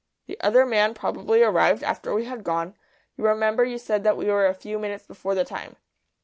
The other man probably arrived after we had gone; you remember you said that we were a few minutes before the time."